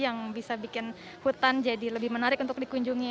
yang bisa bikin hutan jadi lebih menarik untuk dikunjungi